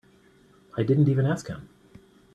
I didn't even ask him.